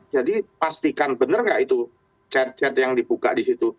jadi pastikan bener gak itu chat chat yang dibuka di situ